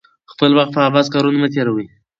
خپل وخت په عبث کارونو مه تیروئ.